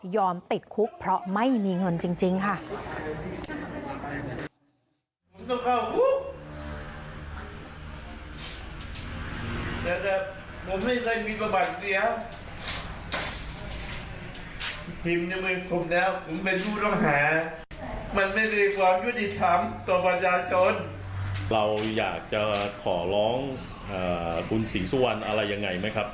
ติดคุกเพราะไม่มีเงินจริงค่ะ